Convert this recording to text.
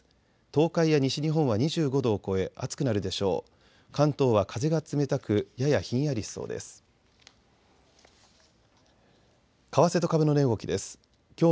東海や西日本は２５度を超え暑くなるでしょう。